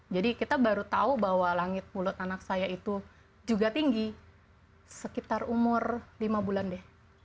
jadi kita baru tahu bahwa langit mulut anak saya itu juga tinggi sekitar umur lima bulan deh